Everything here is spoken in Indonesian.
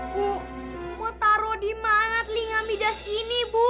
bu mau taruh di mana telinga midas ini bu